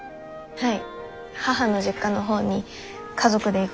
はい。